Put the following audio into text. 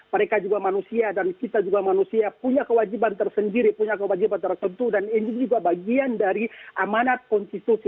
mereka juga manusia dan kita juga manusia punya kewajiban tersendiri punya kewajiban tertentu dan ini juga bagian dari amanat konstitusi